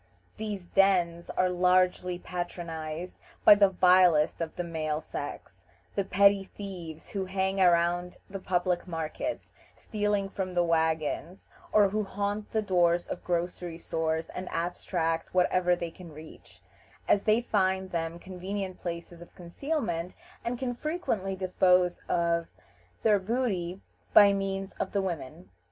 These dens are largely patronized by the vilest of the male sex; the petty thieves who hang around the public markets, stealing from the wagons, or who haunt the doors of grocery stores and abstract whatever they can reach; as they find them convenient places of concealment, and can frequently dispose of their booty by means of the women.